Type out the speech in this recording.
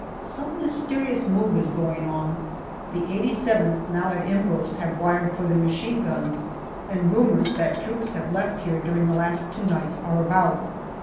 Some mysterious move is going on. The 87th, now at Imbros, have wired for their machine guns, and rumours that troops have left here during the last two nights are about.